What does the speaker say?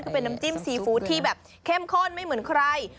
คือเป็นน้ำจิ้มซีฟู้ดที่แบบเข้มข้นไม่เหมือนใคร